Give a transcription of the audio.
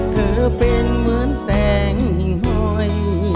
เธอเป็นเหมือนแสงหอย